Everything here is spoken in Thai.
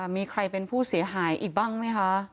มีใครเป็นผู้เสียหายอีกบ้างไหมคะ